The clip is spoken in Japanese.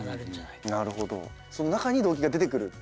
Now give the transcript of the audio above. その中に動機が出てくる。